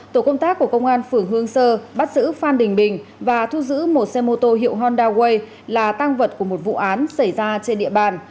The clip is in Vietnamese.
tổ công tác của công an phường hương sơ bắt giữ phan đình bình và thu giữ một xe mô tô hiệu honda way là tăng vật của một vụ án xảy ra trên địa bàn